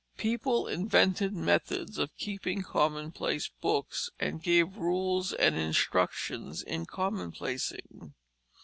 People invented methods of keeping commonplace books and gave rules and instructions in commonplacing.